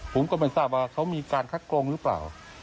ผมก็ไม่ทราบว่าเขามีการคัดกรองหรือเปล่า